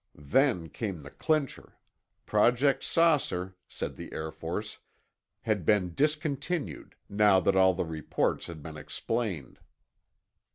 Then came the clincher: Project "Saucer," said the Air Force, had been discontinued, now that all the reports had been explained.